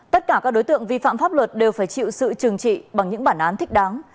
tất cả các đối tượng vi phạm pháp luật đều phải chịu sự trừng trị bằng những bản án thích đáng